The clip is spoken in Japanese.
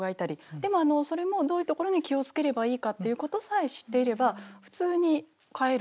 でもそれもどういうところに気を付ければいいかっていうことさえ知っていれば普通に飼えるんですよね。